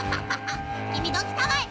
「きみどきたまえ。